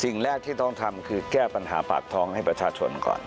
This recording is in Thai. สิ่งแรกที่ต้องทำคือแก้ปัญหาปากท้องให้ประชาชนก่อน